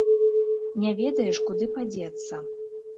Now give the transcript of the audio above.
Не ведаеш, куды падзецца.